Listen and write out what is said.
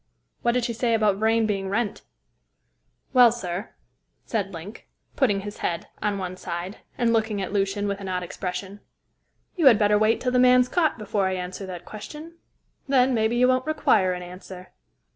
"What did she say about Vrain being Wrent?" "Well, sir," said Link, putting his head on one side, and looking at Lucian with an odd expression, "you had better wait till the man's caught before I answer that question. Then, maybe, you won't require an answer."